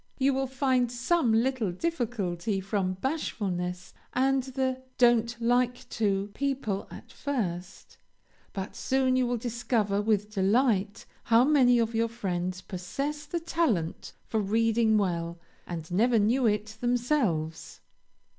You will find some little difficulty from bashfulness, and the "don't like to" people at first, but soon you will discover with delight how many of your friends possess the talent for reading well, and never knew it themselves.